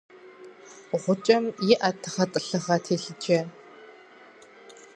Гъукӏэм иӏэт гъэтӏылъыгъэ телъыджэ.